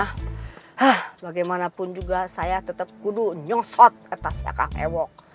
hah bagaimanapun juga saya tetap kudu nyosot atas akang ewok